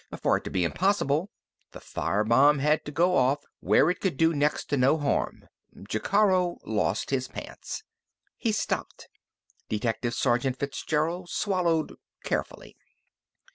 For it to be impossible, the fire bomb had to go off where it would do next to no harm. Jacaro lost his pants." He stopped. Detective Sergeant Fitzgerald swallowed carefully.